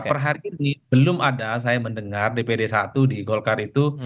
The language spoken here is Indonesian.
per hari ini belum ada saya mendengar dpd satu di golkar itu